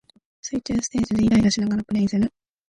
水中ステージでイライラしながらプレイする